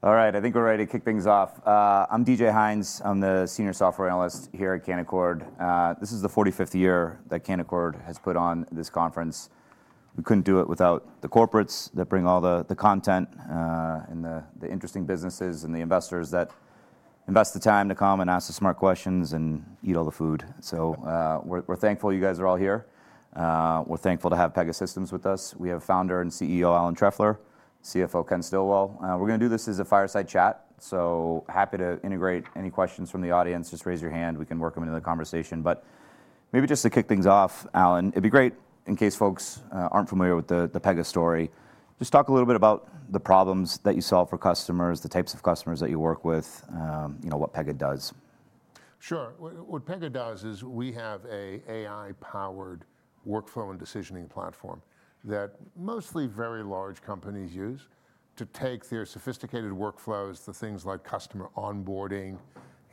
All right, I think we're ready to kick things off. I'm David Hynes. I'm the Senior Software Analyst here at Canaccord. This is the 45th year that Canaccord has put on this conference. We couldn't do it without the corporates that bring all the content and the interesting businesses and the investors that invest the time to come and ask the smart questions and eat all the food. We're thankful you guys are all here. We're thankful to have Pegasystems with us. We have Founder and CEO Alan Trefler, CFO Ken Stillwell. We're going to do this as a fireside chat. Happy to integrate any questions from the audience. Just raise your hand. We can work them into the conversation. Maybe just to kick things off, Alan, it'd be great in case folks aren't familiar with the Pega story. Just talk a little bit about the problems that you solve for customers, the types of customers that you work with, you know what Pega does. Sure. What Pega does is we have an AI-powered workflow and decisioning platform that mostly very large companies use to take their sophisticated workflows, the things like customer onboarding,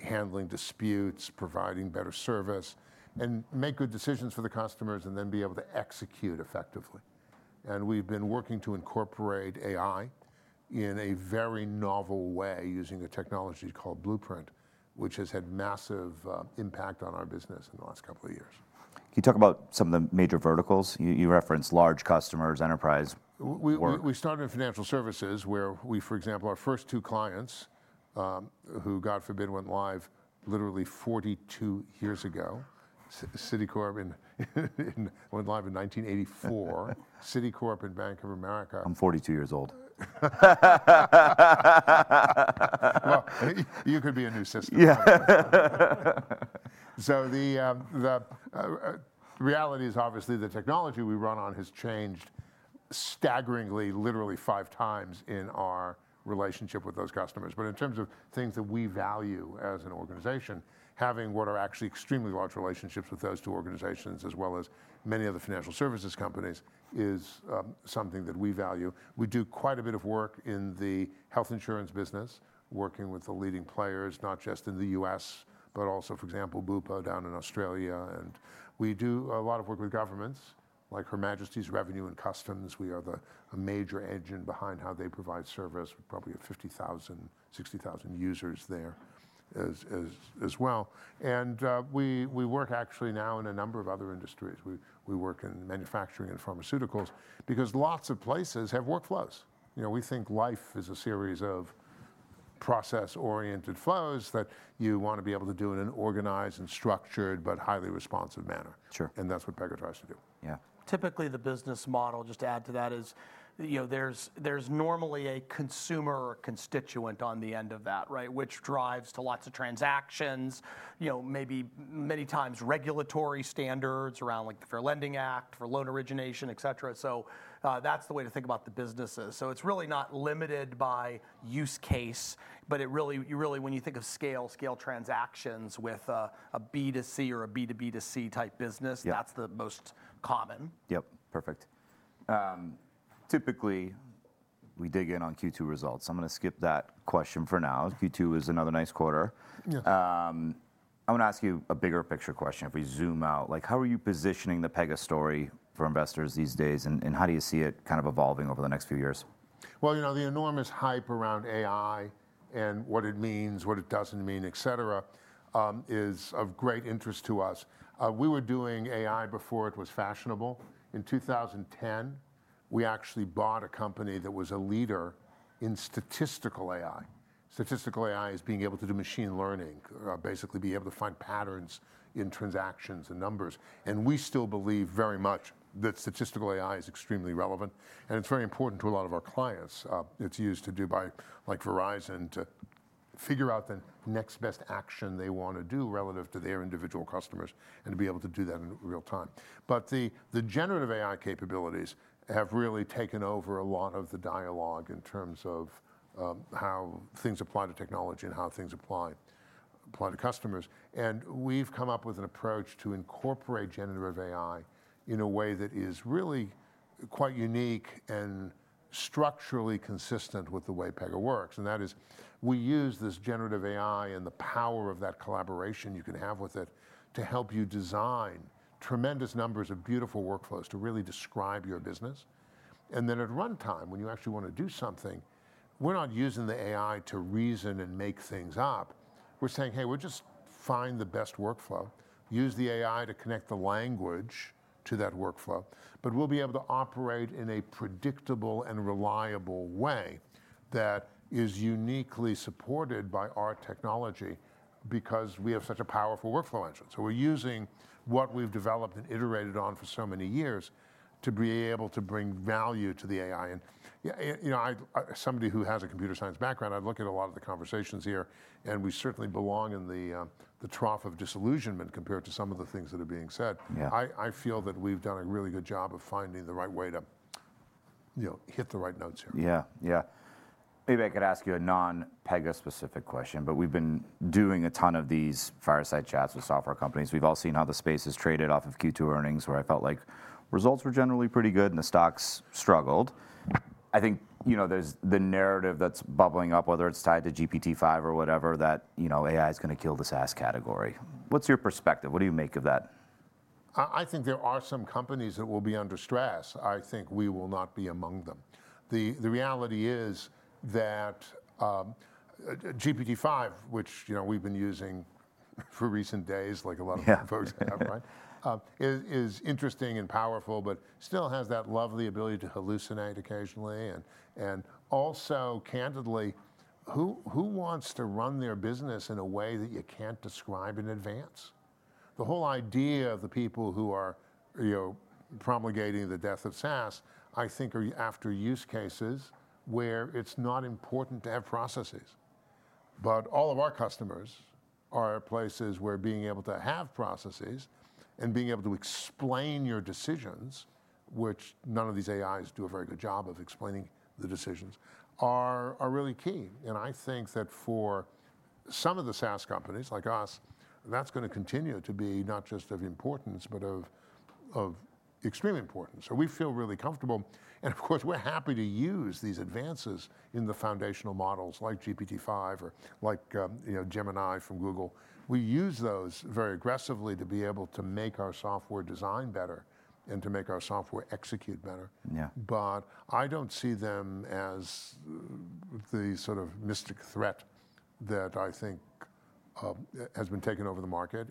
handling disputes, providing better service, and make good decisions for the customers and then be able to execute effectively. We have been working to incorporate AI in a very novel way using a technology called Pega GenAI Blueprint, which has had a massive impact on our business in the last couple of years. Can you talk about some of the major verticals? You referenced large customers, enterprise. We started in financial services where we, for example, our first two clients, who God forbid went live literally 42 years ago, Citicorp went live in 1984, Citicorp and Bank of America. I'm 42 years old. You could be a new system. Yeah. The reality is obviously the technology we run on has changed staggeringly, literally five times in our relationship with those customers. In terms of things that we value as an organization, having what are actually extremely large relationships with those two organizations, as well as many of the financial services companies, is something that we value. We do quite a bit of work in the health insurance business, working with the leading players, not just in the U.S., but also, for example, Bupa down in Australia. We do a lot of work with governments, like Her Majesty's Revenue and Customs. We are a major engine behind how they provide service. We probably have 50,000, 60,000 users there as well. We work actually now in a number of other industries. We work in manufacturing and pharmaceuticals because lots of places have workflows. We think life is a series of process-oriented flows that you want to be able to do in an organized and structured but highly responsive manner. Sure. That is what Pega tries to do. Yeah. Typically, the business model, just to add to that, is, you know, there's normally a consumer or a constituent on the end of that, right? Which drives to lots of transactions, you know, maybe many times regulatory standards around like the Fair Lending Act for loan origination, etc. That's the way to think about the businesses. It's really not limited by use case, but really, you really, when you think of scale, scale transactions with a B2C or a B2B2C type business, that's the most common. Yep, perfect. Typically, we dig in on Q2 results. I'm going to skip that question for now. Q2 is another nice quarter. Yeah. I want to ask you a bigger picture question. If we zoom out, how are you positioning the Pega story for investors these days, and how do you see it kind of evolving over the next few years? The enormous hype around AI and what it means, what it doesn't mean, et cetera, is of great interest to us. We were doing AI before it was fashionable. In 2010, we actually bought a company that was a leader in statistical AI. Statistical AI is being able to do machine learning, basically being able to find patterns in transactions and numbers. We still believe very much that statistical AI is extremely relevant. It's very important to a lot of our clients. It's used by Verizon to figure out the next best action they want to do relative to their individual customers and to be able to do that in real time. The generative AI capabilities have really taken over a lot of the dialogue in terms of how things apply to technology and how things apply to customers. We've come up with an approach to incorporate generative AI in a way that is really quite unique and structurally consistent with the way Pega works. That is, we use this generative AI and the power of that collaboration you can have with it to help you design tremendous numbers of beautiful workflows to really describe your business. Then at runtime, when you actually want to do something, we're not using the AI to reason and make things up. We're saying, hey, we'll just find the best workflow, use the AI to connect the language to that workflow, but we'll be able to operate in a predictable and reliable way that is uniquely supported by our technology because we have such a powerful workflow engine. We're using what we've developed and iterated on for so many years to be able to bring value to the AI. As somebody who has a computer science background, I've looked at a lot of the conversations here, and we certainly belong in the trough of disillusionment compared to some of the things that are being said. Yeah. I feel that we've done a really good job of finding the right way to hit the right notes here. Maybe I could ask you a non-Pega specific question, but we've been doing a ton of these fireside chats with software companies. We've all seen how the space has traded off of Q2 earnings, where I felt like results were generally pretty good and the stocks struggled. I think there's the narrative that's bubbling up, whether it's tied to GPT-5 or whatever, that AI is going to kill the SaaS category. What's your perspective? What do you make of that? I think there are some companies that will be under stress. I think we will not be among them. The reality is that GPT-5, which, you know, we've been using for recent days, like a lot of folks have, is interesting and powerful, but still has that lovely ability to hallucinate occasionally. Also, candidly, who wants to run their business in a way that you can't describe in advance? The whole idea of the people who are, you know, promulgating the death of SaaS, I think, are after use cases where it's not important to have processes. All of our customers are places where being able to have processes and being able to explain your decisions, which none of these AIs do a very good job of explaining the decisions, are really key. I think that for some of the SaaS companies like us, that's going to continue to be not just of importance, but of extreme importance. We feel really comfortable. Of course, we're happy to use these advances in the foundational models like GPT-5 or like, you know, Gemini from Google. We use those very aggressively to be able to make our software design better and to make our software execute better. Yeah. I don't see them as the sort of mystic threat that I think has been taken over the market.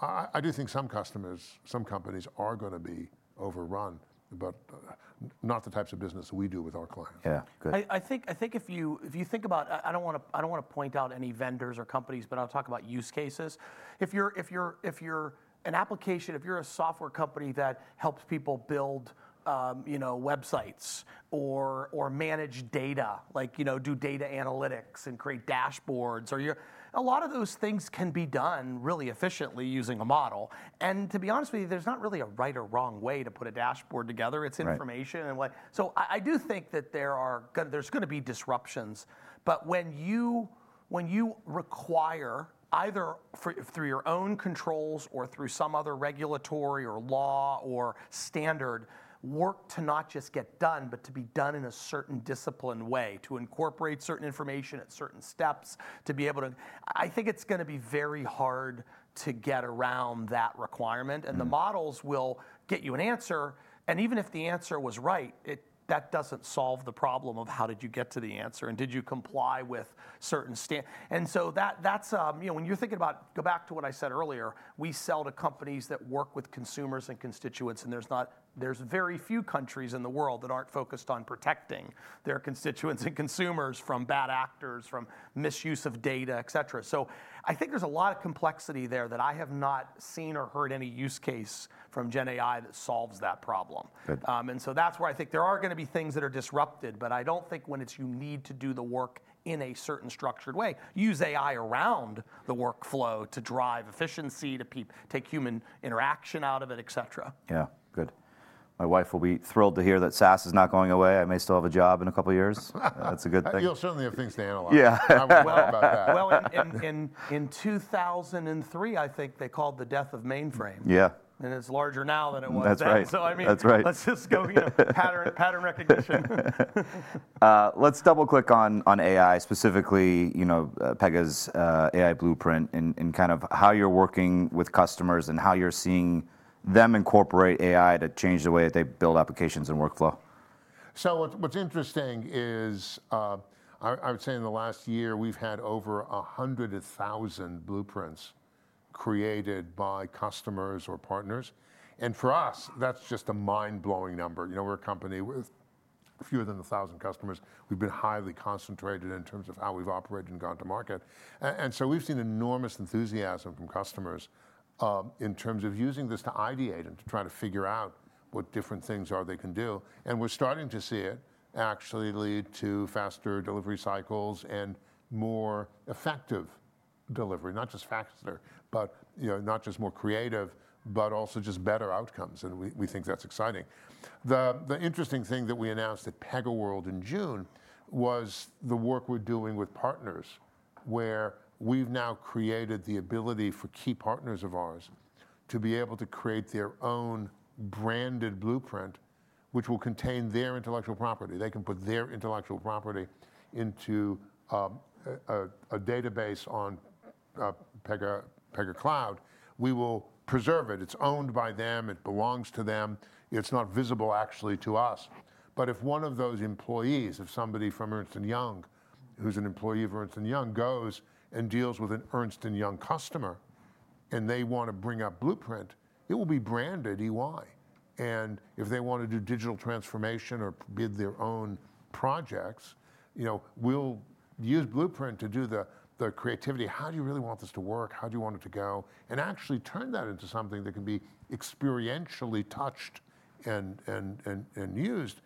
I do think some customers, some companies are going to be overrun, but not the types of business we do with our clients. Yeah. I think if you think about, I don't want to point out any vendors or companies, but I'll talk about use cases. If you're an application, if you're a software company that helps people build, you know, websites or manage data, like, you know, do data analytics and create dashboards, a lot of those things can be done really efficiently using a model. To be honest with you, there's not really a right or wrong way to put a dashboard together. It's information. I do think that there's going to be disruptions. When you require either through your own controls or through some other regulatory or law or standard, work to not just get done, but to be done in a certain disciplined way, to incorporate certain information at certain steps, to be able to, I think it's going to be very hard to get around that requirement. The models will get you an answer. Even if the answer was right, that doesn't solve the problem of how did you get to the answer and did you comply with certain standards. When you're thinking about, go back to what I said earlier, we sell to companies that work with consumers and constituents. There are very few countries in the world that aren't focused on protecting their constituents and consumers from bad actors, from misuse of data, et cetera. I think there's a lot of complexity there that I have not seen or heard any use case from generative AI that solves that problem. That's where I think there are going to be things that are disrupted. I don't think when it's you need to do the work in a certain structured way, use AI around the workflow to drive efficiency, to take human interaction out of it, et cetera. Yeah, good. My wife will be thrilled to hear that SaaS is not going away. I may still have a job in a couple of years. That's a good thing. You'll certainly have things to analyze. Yeah. I'm glad about that. In 2003, I think they called the death of mainframe. Yeah. It is larger now than it was then. That's right. Let's just go here, pattern recognition. Let's double click on AI, specifically, you know, Pega GenAI Blueprint and kind of how you're working with customers and how you're seeing them incorporate AI to change the way that they build applications and workflow. What's interesting is, I would say in the last year, we've had over 100,000 blueprints created by customers or partners. For us, that's just a mind-blowing number. We're a company with fewer than 1,000 customers. We've been highly concentrated in terms of how we've operated and gone to market. We've seen enormous enthusiasm from customers in terms of using this to ideate and to try to figure out what different things they can do. We're starting to see it actually lead to faster delivery cycles and more effective delivery, not just faster, not just more creative, but also just better outcomes. We think that's exciting. The interesting thing that we announced at PegaWorld in June was the work we're doing with partners, where we've now created the ability for key partners of ours to be able to create their own branded blueprint, which will contain their intellectual property. They can put their intellectual property into a database on Pega Cloud. We will preserve it. It's owned by them. It belongs to them. It's not visible actually to us. If one of those employees, if somebody from EY, who's an employee of EY, goes and deals with an EY customer and they want to bring up Blueprint, it will be branded EY. If they want to do digital transformation or bid their own projects, we'll use Blueprint to do the creativity. How do you really want this to work? How do you want it to go? Actually turn that into something that can be experientially touched and used.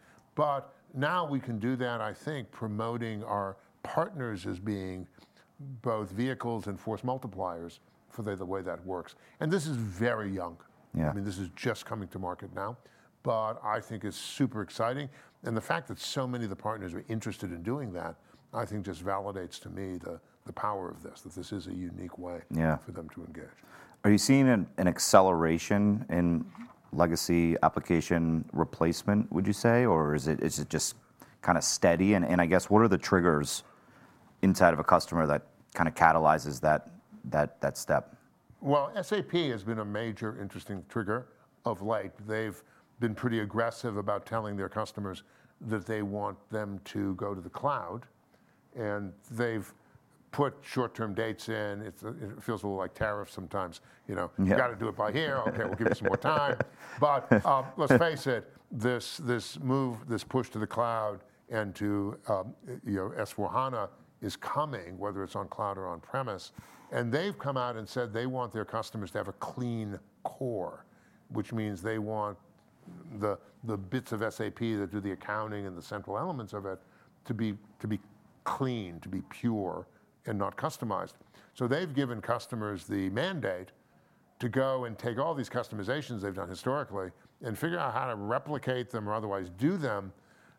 Now we can do that, I think, promoting our partners as being both vehicles and force multipliers for the way that works. This is very young. Yeah. This is just coming to market now, but I think it's super exciting. The fact that so many of the partners are interested in doing that just validates to me the power of this, that this is a unique way for them to engage. Are you seeing an acceleration in legacy application replacement, would you say, or is it just kind of steady? I guess what are the triggers inside of a customer that kind of catalyzes that step? SAP has been a major interesting trigger of like, they've been pretty aggressive about telling their customers that they want them to go to the cloud. They've put short-term dates in. It feels a little like tariffs sometimes. You know, you've got to do it by here. Okay, we'll give you some more time. Let's face it, this move, this push to the cloud and to S/4HANA is coming, whether it's on cloud or on-premise. They've come out and said they want their customers to have a clean core, which means they want the bits of SAP that do the accounting and the central elements of it to be clean, to be pure, and not customized. They've given customers the mandate to go and take all these customizations they've done historically and figure out how to replicate them or otherwise do them,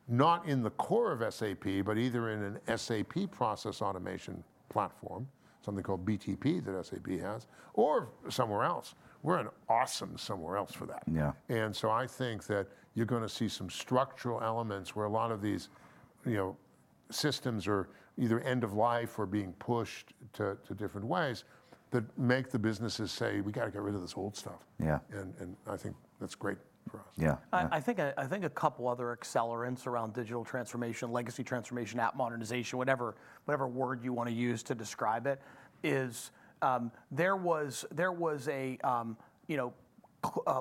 not in the core of SAP, but either in an SAP process automation platform, something called BTP that SAP has, or somewhere else. We're an awesome somewhere else for that. Yeah. I think that you're going to see some structural elements where a lot of these systems are either end of life or being pushed to different ways that make the businesses say, we got to get rid of this old stuff. Yeah. I think that's great for us. Yeah. I think a couple other accelerants around digital transformation, legacy transformation, app modernization, whatever word you want to use to describe it, is there was a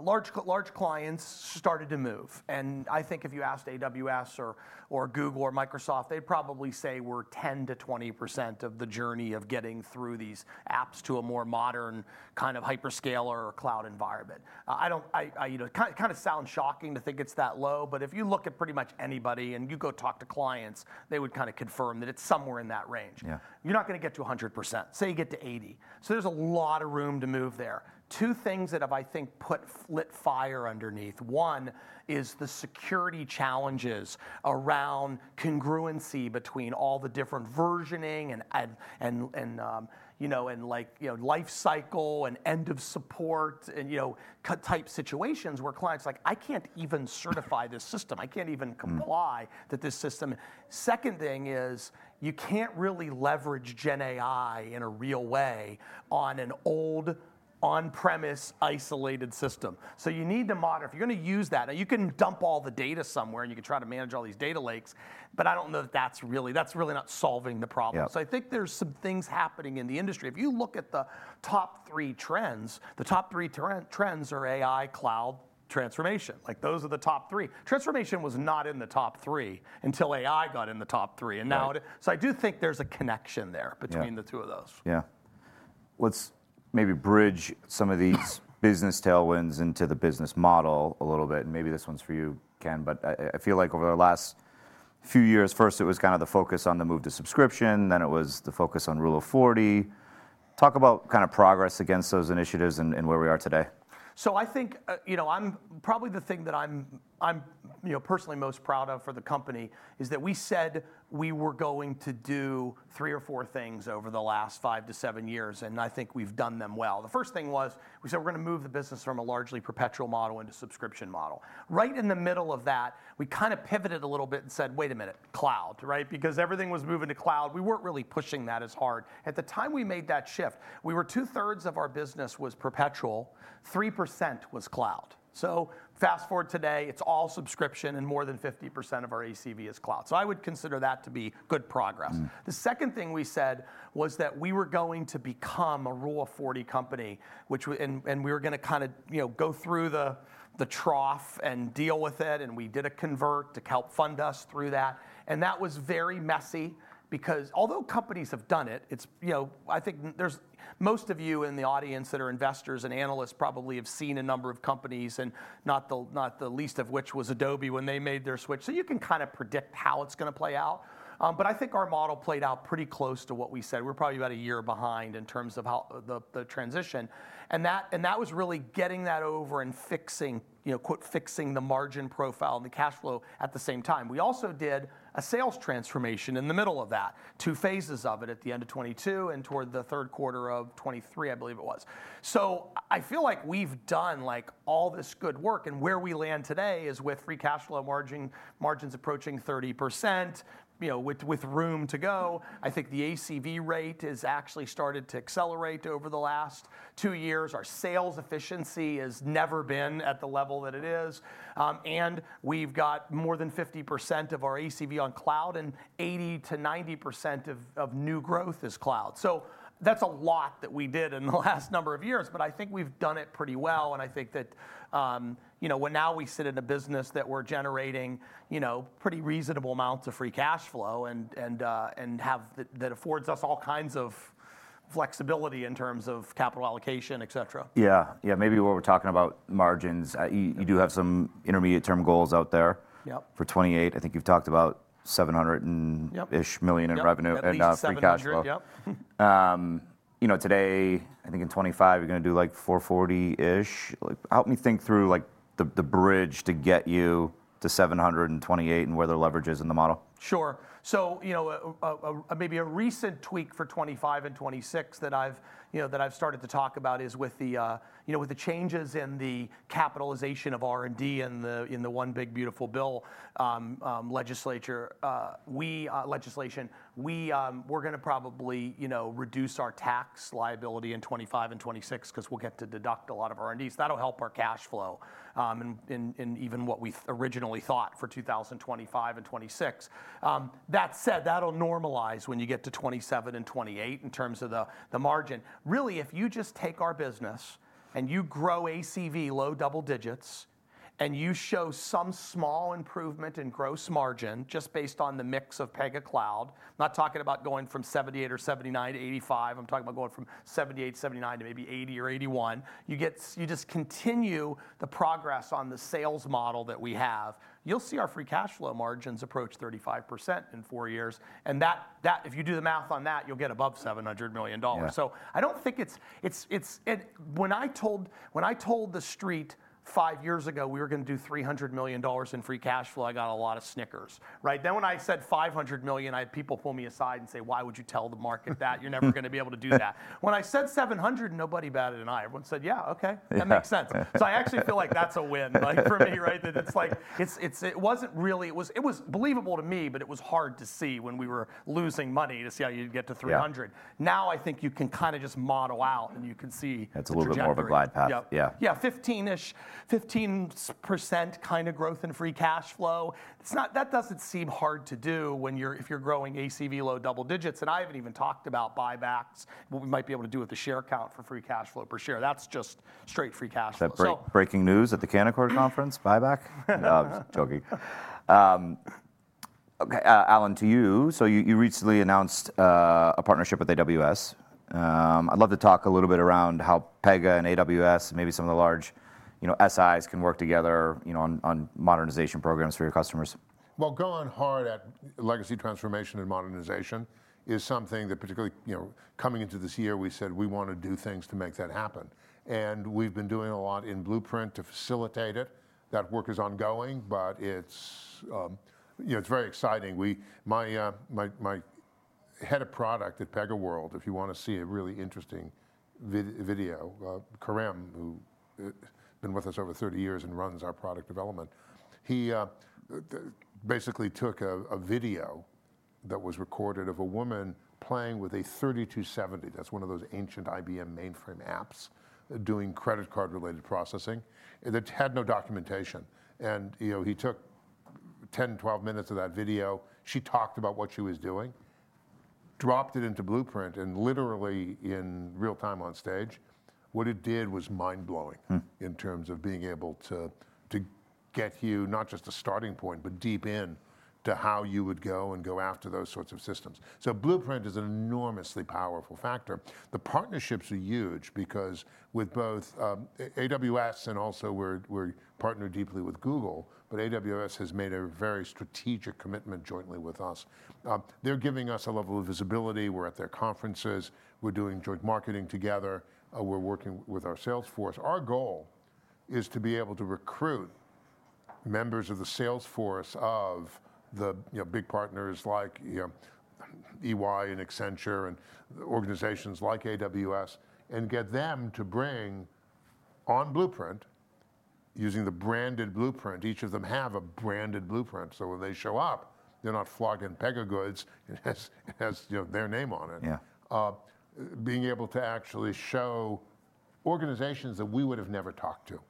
large clients started to move. I think if you asked AWS or Google or Microsoft, they'd probably say we're 10%-20% of the journey of getting through these apps to a more modern kind of hyperscaler or cloud environment. I don't, you know, it kind of sounds shocking to think it's that low, but if you look at pretty much anybody and you go talk to clients, they would kind of confirm that it's somewhere in that range. Yeah. You're not going to get to 100%. Say you get to 80%. There's a lot of room to move there. Two things that have, I think, put lit fire underneath. One is the security challenges around congruency between all the different versioning, and, you know, life cycle and end of support, and, you know, cut type situations where clients are like, I can't even certify this system. I can't even comply that this system. Second thing is you can't really leverage generative AI in a real way on an old on-premise isolated system. You need to modify. If you're going to use that, now you can dump all the data somewhere and you can try to manage all these data lakes, but I don't know that that's really, that's really not solving the problem. I think there's some things happening in the industry. If you look at the top three trends, the top three trends are AI, cloud, transformation. Those are the top three. Transformation was not in the top three until AI got in the top three. I do think there's a connection there between the two of those. Yeah. Let's maybe bridge some of these business tailwinds into the business model a little bit. Maybe this one's for you, Ken, but I feel like over the last few years, first it was kind of the focus on the move to subscription, then it was the focus on Rule of 40. Talk about kind of progress against those initiatives and where we are today. I think, you know, probably the thing that I'm, you know, personally most proud of for the company is that we said we were going to do three or four things over the last 5-7 years. I think we've done them well. The first thing was we said we're going to move the business from a largely perpetual model into a subscription model. Right in the middle of that, we kind of pivoted a little bit and said, wait a minute, cloud, right? Because everything was moving to cloud, we weren't really pushing that as hard. At the time we made that shift, 2/3 of our business was perpetual, 3% was cloud. Fast forward to today, it's all subscription and more than 50% of our ACV is cloud. I would consider that to be good progress. The second thing we said was that we were going to become a Rule of 40 company, which, and we were going to kind of, you know, go through the trough and deal with it. We did a convert to help fund us through that. That was very messy because although companies have done it, it's, you know, I think most of you in the audience that are investors and analysts probably have seen a number of companies and not the least of which was Adobe when they made their switch. You can kind of predict how it's going to play out. I think our model played out pretty close to what we said. We're probably about a year behind in terms of how the transition. That was really getting that over and fixing, you know, quote fixing the margin profile and the cash flow at the same time. We also did a sales transformation in the middle of that, two phases of it at the end of 2022 and toward the third quarter of 2023, I believe it was. I feel like we've done all this good work and where we land today is with free cash flow margins approaching 30%, you know, with room to go. I think the ACV rate has actually started to accelerate over the last two years. Our sales efficiency has never been at the level that it is. We've got more than 50% of our ACV on cloud and 80%-90% of new growth is cloud. That's a lot that we did in the last number of years, but I think we've done it pretty well. I think that, you know, now we sit in a business that we're generating, you know, pretty reasonable amounts of free cash flow and that affords us all kinds of flexibility in terms of capital allocation, et cetera. Yeah, maybe while we're talking about margins, you do have some intermediate term goals out there. Yep. For 2028, I think you've talked about $700 million in revenue and free cash flow. Yep. You know, today, I think in 2025, you're going to do like $440 million-ish. Help me think through the bridge to get you to $728 million and where their leverage is in the model. Sure. Maybe a recent tweak for 2025 and 2026 that I've started to talk about is with the changes in the capitalization of R&D in the one big beautiful bill legislation, we're going to probably reduce our tax liability in 2025 and 2026 because we'll get to deduct a lot of R&D. That'll help our cash flow and even what we originally thought for 2025 and 2026. That said, that'll normalize when you get to 2027 and 2028 in terms of the margin. Really, if you just take our business and you grow ACV low double digits and you show some small improvement in gross margin just based on the mix of Pega Cloud, I'm not talking about going from 78 or 79-85. I'm talking about going from 78-79 to maybe 80-81. You just continue the progress on the sales model that we have. You'll see our free cash flow margins approach 35% in four years. If you do the math on that, you'll get above $700 million. I don't think it's, and when I told the street five years ago we were going to do $300 million in free cash flow, I got a lot of snickers, right? When I said $500 million, people pull me aside and say, why would you tell the market that? You're never going to be able to do that. When I said $700, nobody batted an eye. Everyone said, yeah, okay, that makes sense. I actually feel like that's a win, like for me, right? It wasn't really, it was believable to me, but it was hard to see when we were losing money to see how you get to $300. Now I think you can kind of just model out and you can see. That's a little bit more of a glide path. Yeah, 15% kind of growth in free cash flow. It doesn't seem hard to do when you're growing ACV low double digits. I haven't even talked about buybacks, what we might be able to do with the share count for free cash flow per share. That's just straight free cash flow. That's breaking news at the Canaccord conference, buyback? No, I'm just joking. Okay, Alan, to you. You recently announced a partnership with AWS. I'd love to talk a little bit around how Pega and AWS and maybe some of the large, you know, SIs can work together on modernization programs for your customers. Going hard at legacy transformation and modernization is something that, particularly coming into this year, we said we want to do things to make that happen. We've been doing a lot in Blueprint to facilitate it. That work is ongoing, but it's very exciting. My head of product at PegaWorld, if you want to see a really interesting video, Kerim, who has been with us over 30 years and runs our product development, basically took a video that was recorded of a woman playing with a 3270. That's one of those ancient IBM mainframe apps doing credit card-related processing that had no documentation. He took 10, 12 minutes of that video. She talked about what she was doing, dropped it into Blueprint, and literally in real time on stage, what it did was mind-blowing in terms of being able to get you not just a starting point, but deep into how you would go and go after those sorts of systems. Blueprint is an enormously powerful factor. The partnerships are huge because with both AWS and also we're partnered deeply with Google, but AWS has made a very strategic commitment jointly with us. They're giving us a level of visibility. We're at their conferences. We're doing joint marketing together. We're working with our sales force. Our goal is to be able to recruit members of the sales force of the big partners like EY and Accenture and organizations like AWS and get them to bring on Blueprint using the branded Blueprint. Each of them have a branded Blueprint. When they show up, they're not flogging Pega goods. It has their name on it. Yeah. Being able to actually show organizations that we would have never talked to,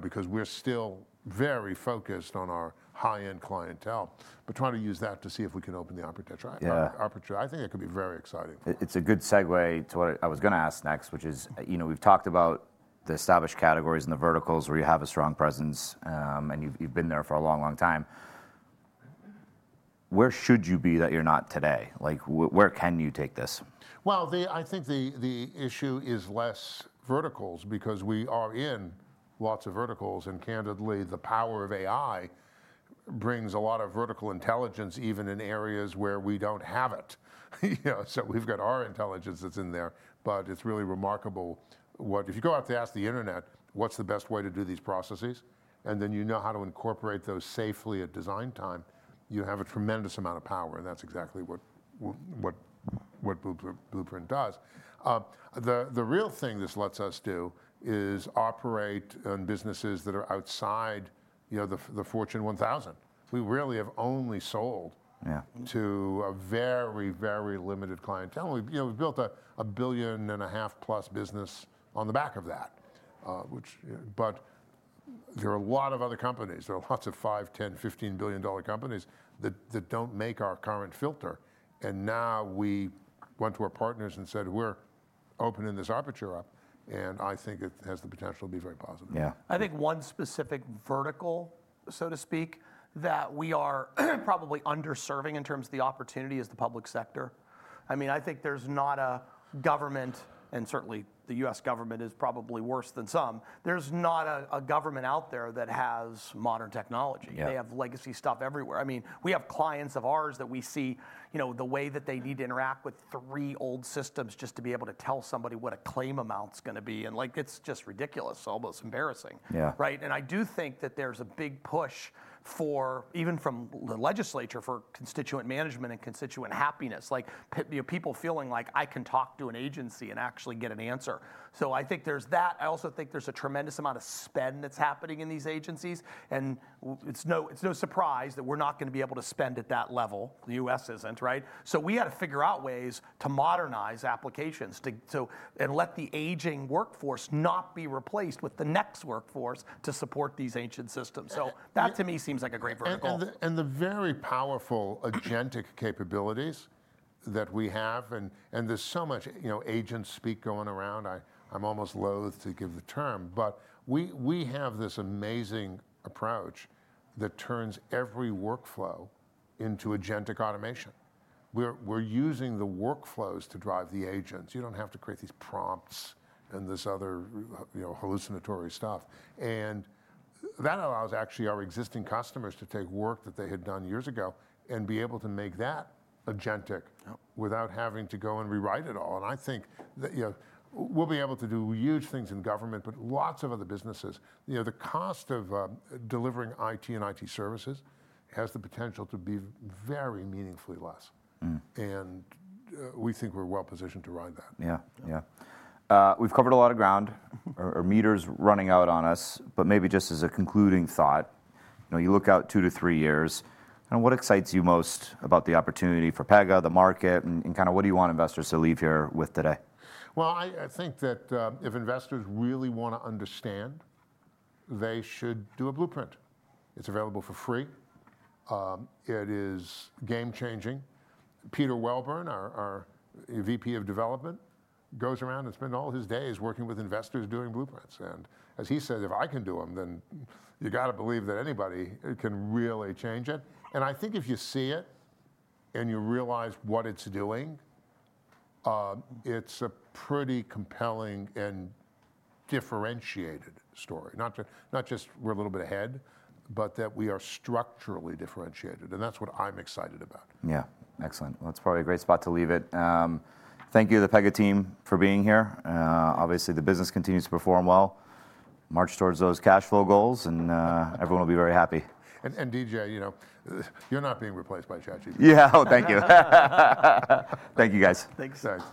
because we're still very focused on our high-end clientele, but trying to use that to see if we can open the arbitrary. I think it could be very exciting. It's a good segue to what I was going to ask next, which is, you know, we've talked about the established categories and the verticals where you have a strong presence and you've been there for a long, long time. Where should you be that you're not today? Like, where can you take this? I think the issue is less verticals because we are in lots of verticals. Candidly, the power of AI brings a lot of vertical intelligence even in areas where we don't have it. You know, we've got our intelligence that's in there, but it's really remarkable. If you go out to ask the internet, what's the best way to do these processes, and then you know how to incorporate those safely at design time, you have a tremendous amount of power. That's exactly what Pega GenAI Blueprint does. The real thing this lets us do is operate in businesses that are outside, you know, the Fortune 1000. We really have only sold to a very, very limited clientele, and we've built a $1.5 billion+ business on the back of that. There are a lot of other companies. There are lots of $5 billion, $10 billion, $15 billion companies that don't make our current filter. Now we went to our partners and said, we're opening this arbitrary up. I think it has the potential to be very positive. Yeah. I think one specific vertical, so to speak, that we are probably underserving in terms of the opportunity is the public sector. I mean, I think there's not a government, and certainly the U.S. government is probably worse than some, there's not a government out there that has modern technology. They have legacy stuff everywhere. I mean, we have clients of ours that we see, you know, the way that they need to interact with three old systems just to be able to tell somebody what a claim amount is going to be. It's just ridiculous, almost embarrassing. Yeah. Right. I do think that there's a big push, even from the legislature, for constituent management and constituent happiness, like people feeling like I can talk to an agency and actually get an answer. I think there's that. I also think there's a tremendous amount of spend that's happening in these agencies. It's no surprise that we're not going to be able to spend at that level. The U.S. isn't, right? We had to figure out ways to modernize applications and let the aging workforce not be replaced with the next workforce to support these ancient systems. That to me seems like a great vertical. The very powerful agentic capabilities that we have, and there's so much, you know, agent speak going around, I'm almost loath to give the term, but we have this amazing approach that turns every workflow into agentic automation. We're using the workflows to drive the agents. You don't have to create these prompts and this other, you know, hallucinatory stuff. That allows actually our existing customers to take work that they had done years ago and be able to make that agentic without having to go and rewrite it all. I think that, you know, we'll be able to do huge things in government, but lots of other businesses, you know, the cost of delivering IT and IT services has the potential to be very meaningfully less. We think we're well positioned to ride that. Yeah, yeah. We've covered a lot of ground. Our meter's running out on us, but maybe just as a concluding thought, you know, you look out two to three years, and what excites you most about the opportunity for Pega, the market, and kind of what do you want investors to leave here with today? I think that if investors really want to understand, they should do a blueprint. It's available for free. It is game-changing. Peter Welburn, our VP of Development, goes around and spends all his days working with investors doing blueprints. As he says, if I can do them, then you got to believe that anybody can really change it. I think if you see it and you realize what it's doing, it's a pretty compelling and differentiated story. Not just we're a little bit ahead, but that we are structurally differentiated. That's what I'm excited about. Yeah, excellent. That's probably a great spot to leave it. Thank you to the Pega team for being here. Obviously, the business continues to perform well. March towards those cash flow goals, and everyone will be very happy. David, you know, you're not being replaced by ChatGPT. Yeah, oh, thank you. Thank you, guys. Thanks, guys.